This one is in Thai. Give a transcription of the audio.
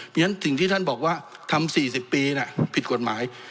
เพราะฉะนั้นสิ่งที่ท่านบอกว่าทำ๔๐ปีผิดกฎหมาย